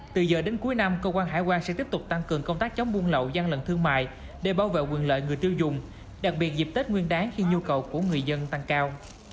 từ giờ đến cuối năm cơ quan hải quan sẽ tiếp tục tăng cường công tác chống buôn lậu gian lận thương mại để bảo vệ quyền lợi người tiêu dùng đặc biệt dịp tết nguyên đáng khi nhu cầu của người dân tăng cao